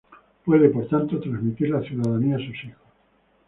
Puede, por tanto, transmitir la ciudadanía a sus hijos.